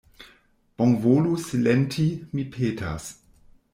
Bonvolu silenti, mi petas.